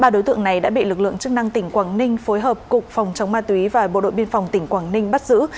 ba đối tượng này đã bị lực lượng chức năng tỉnh quảng ninh phối hợp cục phòng chống ma túy và bộ đội biên phòng tỉnh quảng ninh bắt giữ